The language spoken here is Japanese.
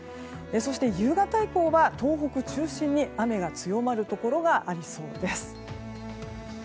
そして夕方以降東北中心に雨が強まるところがありそうです。